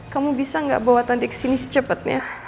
kamu bisa ga bawa tanti kesini secepetnya